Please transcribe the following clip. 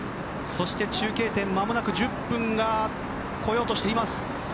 そして中継点、まもなく１０分になろうとしています。